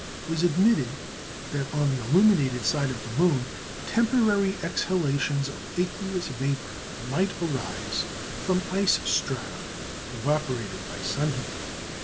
The possibility, however, was admitted that, on the illuminated side of the moon, temporary exhalations of aqueous vapour might arise from ice strata evaporated by sun heat.